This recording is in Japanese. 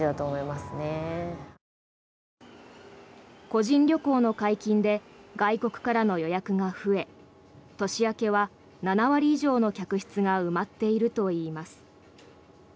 個人旅行の解禁で外国からの予約が増え年明けは７割以上の客室が埋まっているといいます。